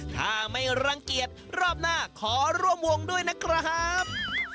ถ้าไม่รังเกียจรอบหน้าขอร่วมวงด้วยนะครับ